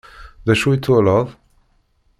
D acu i twalaḍ?